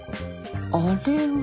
あれは。